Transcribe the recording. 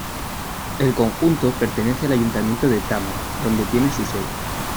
El conjunto pertenece al Ayuntamiento de Támara donde tiene su sede.